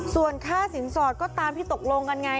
ส่วนค่าสินสอดก็ตามที่ตกลงกันไง